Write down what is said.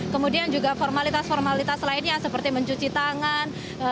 kemudian juga formalitas formalitas lainnya seperti mencuci tangan